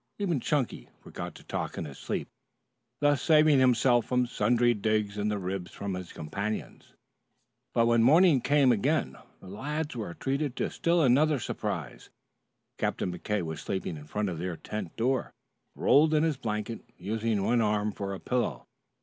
Even Chunky forgot to talk in his sleep, thus saving himself from sundry digs in the ribs from his companions. But when the morning came again the lads were treated to still another surprise. Captain McKay was sleeping in front of their tent door, rolled in his blanket, using one arm for a pillow.